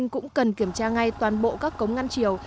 cũng cần kiểm tra ngay toàn bộ các cống ngăn chiều